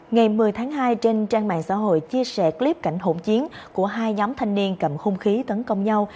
ngày một mươi tháng hai trên trang mạng xã hội chia sẻ clip cảnh hỗn chiến của hai nhóm thanh niên cầm hung khí tấn công nhau